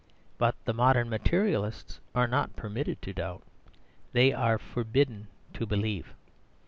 But the modern materialists are not permitted to doubt; they are forbidden to believe.